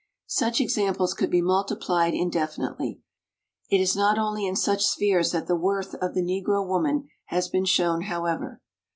Such examples could be multiplied indefi nitely. It is not only in such spheres that the worth of the Negro woman has been shown, however.